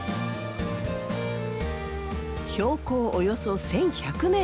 標高およそ１，１００ｍ。